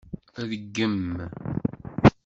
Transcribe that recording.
Rgem.